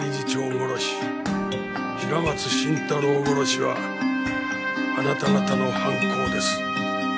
殺し平松伸太郎殺しはあなた方の犯行です。